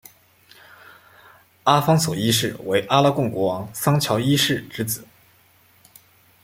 阿方索一世为阿拉贡国王桑乔一世之子。